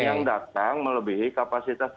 yang datang melebihi kapasitas tiga puluh